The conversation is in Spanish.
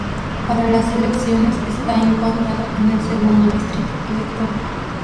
Para las elecciones está encuadrado en el Segundo Distrito Electoral.